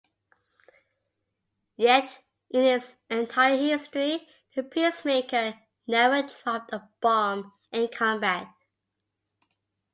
Yet, in its entire history, the "Peacemaker" never dropped a bomb in combat.